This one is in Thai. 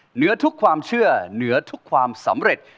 เหนือทุกความเชื่อเหนือทุกความสำเร็จ